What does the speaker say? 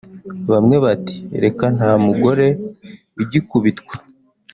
Bamwe bati reka nta mugore ugikubitwa